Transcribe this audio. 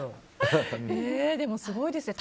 でも、すごいですね。